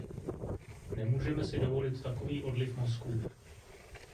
Nemůžeme si dovolit takový odliv mozků.